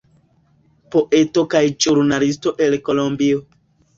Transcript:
Poeto kaj ĵurnalisto el Kolombio.